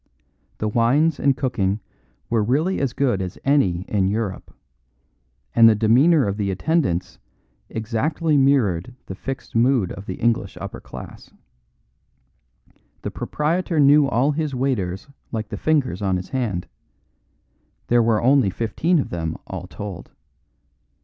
The wines and cooking were really as good as any in Europe, and the demeanour of the attendants exactly mirrored the fixed mood of the English upper class. The proprietor knew all his waiters like the fingers on his hand; there were only fifteen of them all told.